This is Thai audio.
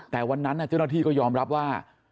แต่วันนั้นเจ้าหน้าที่ก็ยอมรับว่า